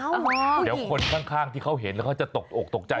ผู้หญิงพอไคนข้างที่เขาเห็นก็จะตกใจ